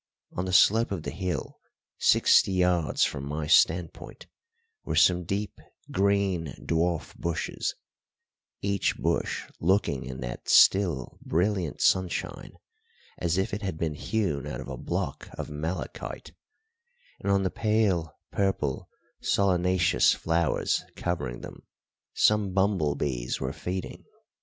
On the slope of the hill, sixty yards from my standpoint, were some deep green, dwarf bushes, each bush looking in that still brilliant sunshine as if it had been hewn out of a block of malachite; and on the pale purple solanaceous flowers covering them some humble bees were feeding.